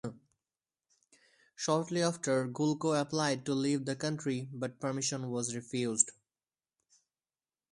Shortly after, Gulko applied to leave the country, but permission was refused.